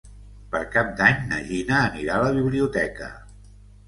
Per Cap d'Any na Gina anirà a la biblioteca.